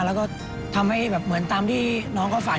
แล้วก็ทำให้แบบเหมือนตามที่น้องเขาฝัน